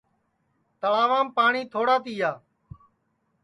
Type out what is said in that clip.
تݪاوام پاٹؔی تھوڑا تِیا